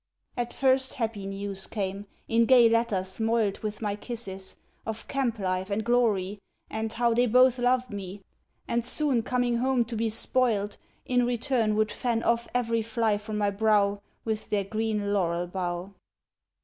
At first happy news came, in gay letters moiled With my kisses, of camp life and glory, and how They both loved me, and soon, coming home to be spoiled, In return would fan off every fly from my brow With their green laurel bough.